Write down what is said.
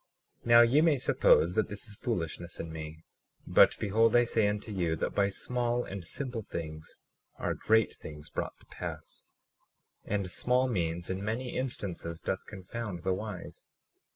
37:6 Now ye may suppose that this is foolishness in me; but behold I say unto you, that by small and simple things are great things brought to pass; and small means in many instances doth confound the wise.